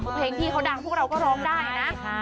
เพลงพี่เขาดังพวกเราก็ร้องได้นะ